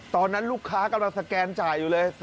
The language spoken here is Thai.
ตอนนั้นลูกค้ากำลังสแกนจ่ายอยู่เลย